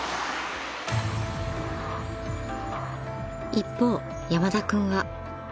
［一方山田君は］